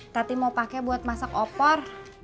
tapi mau pakai buat masak opor